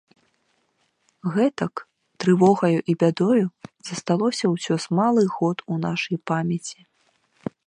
Гэтак, трывогаю і бядою, засталося ўсё з малых год у нашай памяці.